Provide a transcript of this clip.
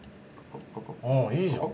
ああいいじゃん。